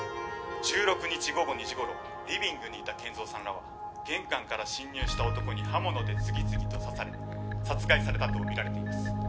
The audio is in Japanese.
「１６日午後２時頃リビングにいた健三さんらは玄関から侵入した男に刃物で次々と刺され殺害されたとみられています」